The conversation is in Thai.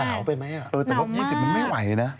มันหนาวไปไหมหนาวมากแต่ลบ๒๐มันไม่ไหวนะ